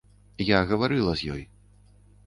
Я гаварыла з ёй.